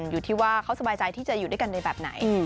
อยู่ที่ว่าเขาสบายใจที่จะอยู่ด้วยกันในแบบไหน